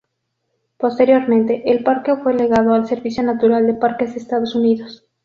Posteriormente, el parque fue legado al Servicio Natural de Parques de Estados Unidos.